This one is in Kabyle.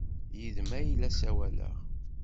Yid-m ay la ssawaleɣ!